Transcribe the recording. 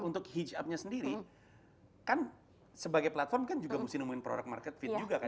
untuk hitch up nya sendiri kan sebagai platform kan juga mesti nemuin produk market fit juga kan